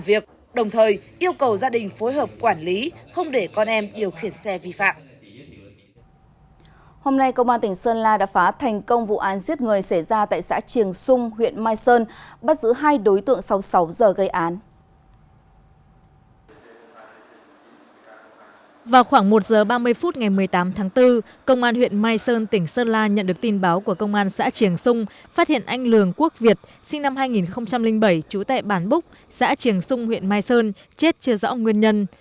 vào khoảng một giờ ba mươi phút ngày một mươi tám tháng bốn công an huyện mai sơn tỉnh sơn la nhận được tin báo của công an xã triển xung phát hiện anh lường quốc việt sinh năm hai nghìn bảy chủ tại bản búc xã triển xung huyện mai sơn chết chưa rõ nguyên nhân